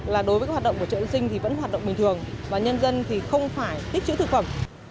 là đối với các hoạt động của chợ dân sinh thì vẫn hoạt động bình thường và nhân dân thì không phải tích chữ thực phẩm